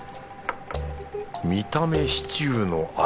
見た目シチューの味